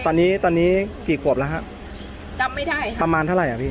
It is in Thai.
ตอนนี้ตอนนี้กี่ขวบแล้วฮะจำไม่ได้ค่ะประมาณเท่าไหร่อ่ะพี่